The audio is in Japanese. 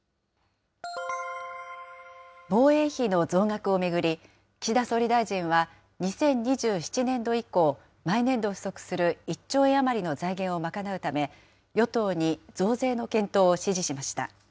防衛費の増額を巡り、岸田総理大臣は２０２７年度以降、毎年度不足する１兆円余りの財源を賄うため、与党に増税の検討を指示しました。